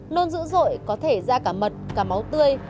luôn dữ dội có thể ra cả mật cả máu tươi